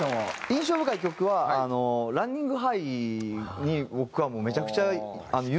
印象深い曲はあの『ランニングハイ』に僕はもうめちゃくちゃ。